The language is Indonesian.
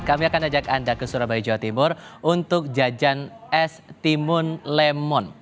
kami akan ajak anda ke surabaya jawa timur untuk jajan es timun lemon